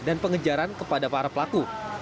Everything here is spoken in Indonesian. dan pengejaran kepada para pelaku